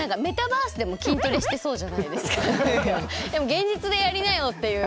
現実でやりなよっていう。